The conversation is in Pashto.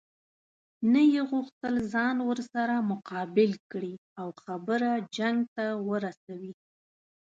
نه یې غوښتل ځان ورسره مقابل کړي او خبره جنګ ته ورسوي.